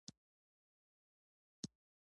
د هانګ کانګ بندر نړیوال شهرت لري.